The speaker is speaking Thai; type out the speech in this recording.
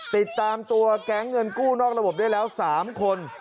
ติดตามตัวแก๊งเงินกู้นอกระบบได้แล้ว๓คน